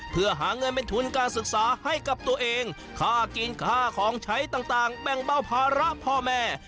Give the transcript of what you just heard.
เพื่อหาเงินเป็นทุนการศึกษาให้กับตัวเองค่ากินค่าของใช้ต่างแบ่งเบาภาระพ่อแม่